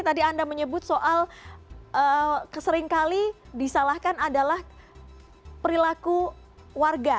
tadi anda menyebut soal keseringkali disalahkan adalah perilaku warga